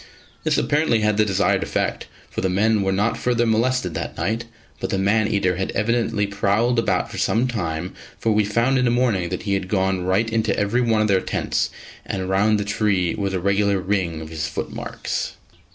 This apparently had the desired effect, for the men were not further molested that night; but the man eater had evidently prowled about for some time, for we found in the morning that he had gone right into every one of their tents, and round the tree was a regular ring of his footmarks.